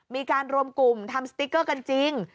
มีการรวมกลุ่มทำสติ๊กเกอร์กันจริง